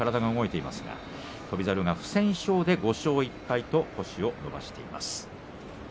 翔猿が不戦勝で５勝１敗と星を伸ばしています。